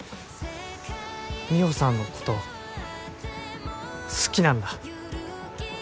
美帆さんのこと好きなんだ。